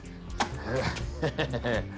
ヘヘヘヘッ。